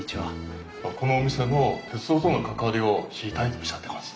このお店の鉄道との関わりを知りたいとおっしゃってます。